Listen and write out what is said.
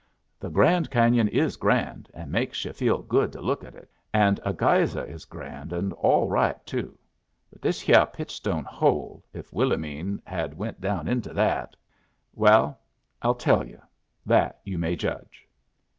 "The Grand Canyon is grand, and makes yu' feel good to look at it, and a geyser is grand and all right, too. But this hyeh Pitchstone hole, if Willomene had went down into that well, I'll tell yu', that you may judge.